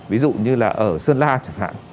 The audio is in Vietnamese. ví dụ như là ở sơn la chẳng hạn